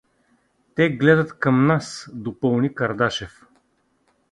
— Те гледат към нас — допълни Кардашев.